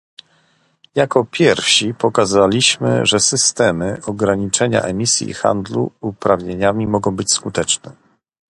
Jako pierwsi pokazaliśmy, że systemy ograniczenia emisji i handlu uprawnieniami mogą być skuteczne